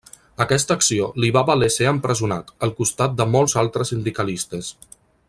Aquesta acció li va valer ser empresonat, al costat de molts altres sindicalistes.